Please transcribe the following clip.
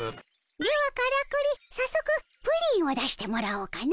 ではからくり早速プリンを出してもらおうかの。